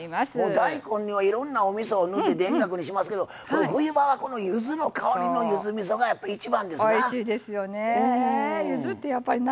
大根には、いろんなおみそを塗って田楽にしますけど冬場は、ゆずの香りのゆずみそがやっぱり一番ですな。